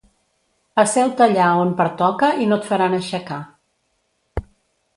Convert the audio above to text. Asseu-te allà on pertoca i no et faran aixecar.